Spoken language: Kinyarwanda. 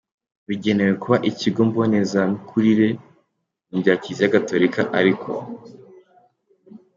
bigenewe kuba ikigo mbonezamikurire. Ni ibya Kiliziya Gatolika ariko